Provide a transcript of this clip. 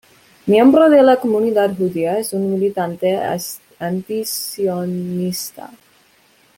Miembro de la comunidad judía, es un militante antisionista.